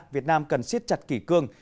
việt nam cần siết chặt kỷ cương